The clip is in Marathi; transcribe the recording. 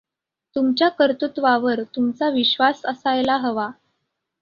तुमच्या कर्तुत्वावर तुमचा विश्वास असायला हवा.